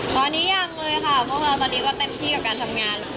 ตอนนี้ยังเลยค่ะพวกเราตอนนี้ก็เต็มที่กับการทำงาน